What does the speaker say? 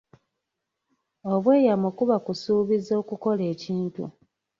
Obweyamo kuba kusuubiza okukola ekintu.